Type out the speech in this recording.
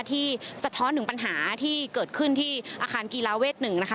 สะท้อนถึงปัญหาที่เกิดขึ้นที่อาคารกีฬาเวท๑นะคะ